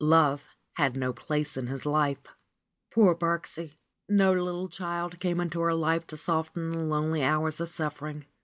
Love had no place in his life. Poor Birksie ! No little child came into her life to soften the lonely hours of suffering.